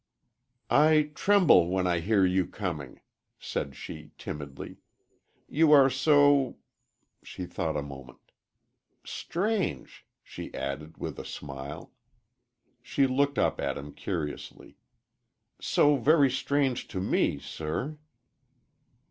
"I tremble when I hear you coming," said she, timidly. "You are so " She thought a moment. "Strange," she added, with a smile. She looked up at him curiously. "So very strange to me, sir."